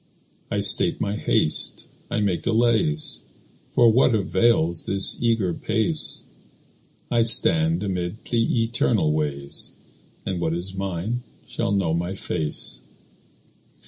I stay my haste, I make delays, For what avails this eager pace? I stand amid the eternal ways, And what is mine shall know my face.